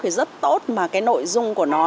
thì rất tốt mà cái nội dung của nó